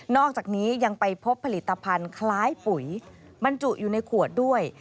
อกจากนี้ยังไปพบผลิตภัณฑ์คล้ายปุ๋ยบรรจุอยู่ในขวดด้วย